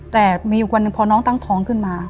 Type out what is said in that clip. แต่มีอยู่วันหนึ่งพอน้องตั้งท้องขึ้นมา